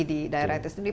di daerah itu sendiri